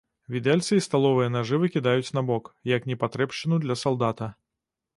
Відэльцы і сталовыя нажы выкідаюць набок, як непатрэбшчыну для салдата.